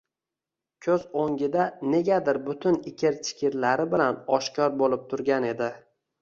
ko‘z o‘ngida negadir butun ikir-chikirlari bilan oshkor bo‘lib turgan edi.